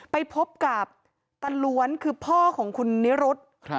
ไปพบกับตาล้วนคือพ่อของคุณนิรุธ